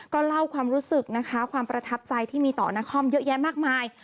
ก็เล่าความรู้สึกนะคะความประทับใจที่มีต่อนักคอมเยอะแยะมากมาย